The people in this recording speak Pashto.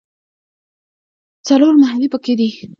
څلور محلې په کې دي.